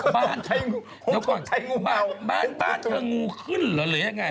บ้านถ้างูขึ้นเหรอหรือยังไง